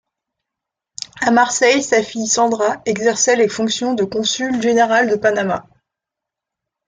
À Marseille, sa fille Sandra exerçait les fonctions de consul général de Panama.